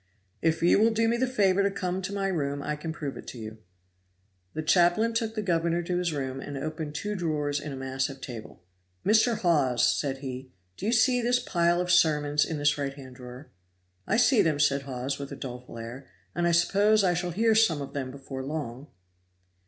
"If you will do me the favor to come to my room I can prove it to you." The chaplain took the governor to his room and opened two drawers in a massive table. "Mr. Hawes," said he, "do you see this pile of sermons in this right hand drawer?" "I see them," said Hawes, with a doleful air, "and I suppose I shall hear some of them before long."